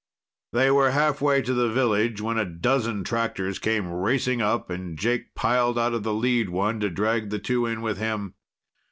They were halfway to the village when a dozen tractors came racing up and Jake piled out of the lead one to drag the two in with him.